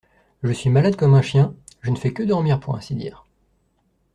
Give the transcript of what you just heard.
Je suis malade comme un chien, je ne fais que dormir pour ainsi dire.